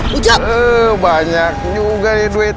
puja banyak juga nih duit